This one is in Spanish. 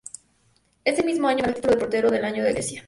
Ese mismo año ganó el título de Portero del año en Grecia.